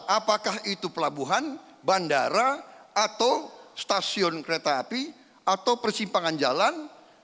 apakah itu pelabuhan bandara atau stasiun kereta api atau persimpangan jalan